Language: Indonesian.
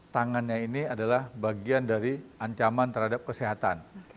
tangannya ini adalah bagian dari ancaman terhadap kesehatan